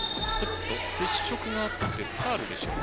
接触があってファウルでしょうか。